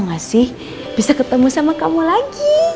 gak sih bisa ketemu sama kamu lagi